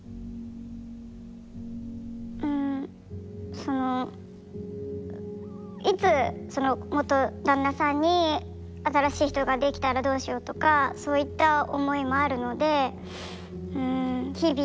そのいつその元旦那さんに新しい人ができたらどうしようとかそういった思いもあるのでうん日々怖いといいますか。